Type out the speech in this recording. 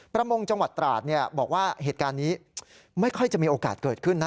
ประมงจังหวัดตราดบอกว่าเหตุการณ์นี้ไม่ค่อยจะมีโอกาสเกิดขึ้นนะ